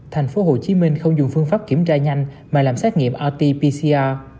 tp hcm không dùng phương pháp kiểm tra nhanh mà làm xét nghiệm rt pcr